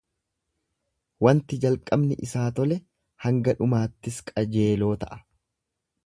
Wanti jalqabni isaa tole hanga dhumaattis qajeeloo ta'a.